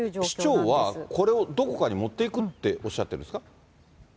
市長はこれをどこかに持っていくっておっしゃってるんですか。